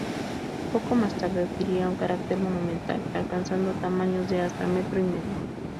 Poco más tarde adquirieron carácter monumental, alcanzando tamaños de hasta metro y medio.